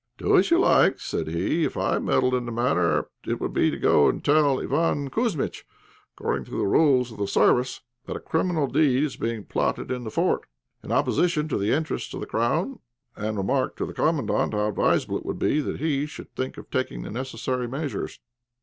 "Do as you like," said he; "if I meddled in the matter, it would be to go and tell Iván Kouzmitch, according to the rules of the service, that a criminal deed is being plotted in the fort, in opposition to the interests of the crown, and remark to the Commandant how advisable it would be that he should think of taking the necessary measures."